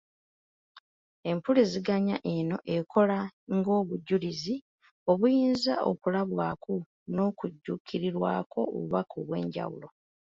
Empuliziganya eno ekola ng'obujulizi obuyinza okulabwako n'okujjukirirwako obubaka obw'enjawulo.